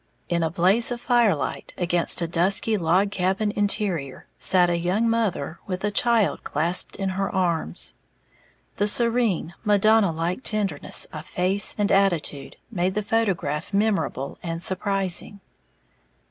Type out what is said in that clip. In a blaze of firelight, against a dusky log cabin interior, sat a young mother with a child clasped in her arms. The serene, Madonna like tenderness of face and attitude made the photograph memorable and surprising.